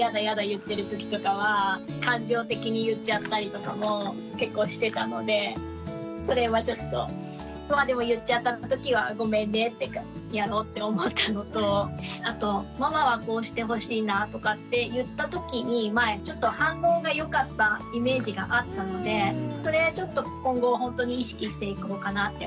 言ってる時とかは感情的に言っちゃったりとかも結構してたのでそれはちょっとまあでも言っちゃった時はごめんねってやろうって思ったのとあとママはこうしてほしいなとかって言った時に前ちょっと反応が良かったイメージがあったのでそれちょっと今後ほんとに意識していこうかなって思いました。